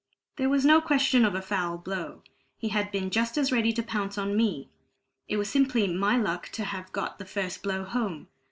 There was no question of a foul blow. He had been just as ready to pounce on me; it was simply my luck to have got the first blow home.